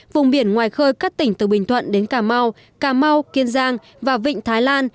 vùng biển ngoài khơi các tỉnh từ bình thuận đến cà mau cà mau kiên giang và vịnh thái lan